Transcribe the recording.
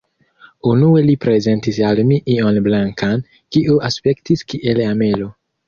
Unue li prezentis al mi ion blankan, kio aspektis kiel amelo.